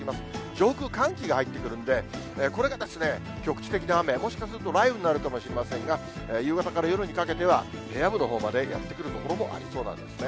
上空、寒気が入ってくるんで、これが局地的な雨、もしかすると雷雨になるかもしれませんが、夕方から夜にかけては、平野部のほうまでやってくる所もありそうなんですね。